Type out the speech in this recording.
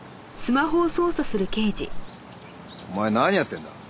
お前何やってんだ？